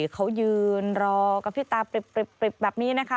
เขายืนรอกระพริบตาปริบแบบนี้นะคะ